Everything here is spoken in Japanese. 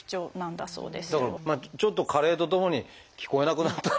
だからちょっと加齢とともに聞こえなくなったかなっていう。